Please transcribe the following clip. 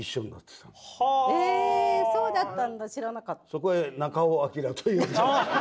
そこへ中尾彬という。